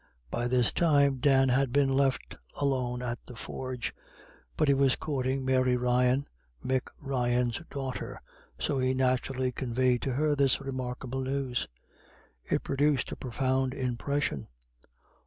By this time Dan had been left alone at the forge; but he was courting Mary Ryan, Mick Ryan's daughter, so he naturally conveyed to her this remarkable news. It produced a profound impression.